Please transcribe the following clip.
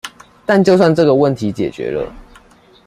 但就算這個問題解決了